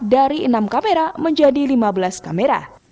dari enam kamera menjadi lima belas kamera